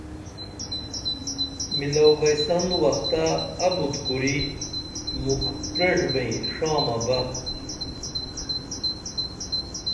مِلئو بئیسن وختہ ابُت کُری مُکھ پریݜبئیں ݜامہ بہ